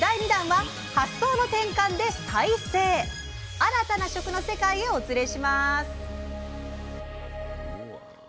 新たな食の世界へお連れします！